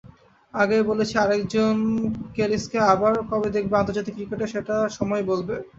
আগেই বলেছি, আরেকজন ক্যালিসকে আবার কবে দেখবে আন্তর্জাতিক ক্রিকেট, সেটা সময়ই বলবে।